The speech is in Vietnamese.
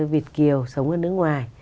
việt kiều sống ở nước ngoài